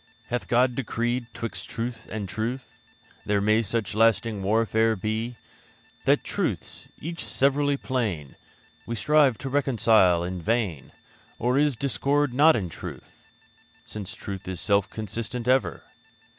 Hath God decreed 'twixt truth and truth There may such lasting warfare be, That truths, each severally plain, We strive to reconcile in vain? Or is the discord not in truth, Since truth is self consistent ever?